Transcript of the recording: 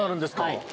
はい。